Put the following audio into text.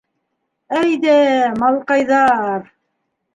- Әйҙә, малҡайҙар!